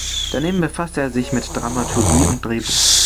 Daneben befasste er sich mit Dramaturgie und Drehbuch.